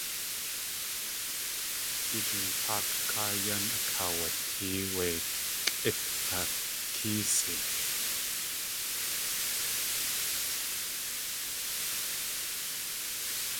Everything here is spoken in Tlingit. Du jintáak káa yan akaawatée du tlʼik̲kakéesi.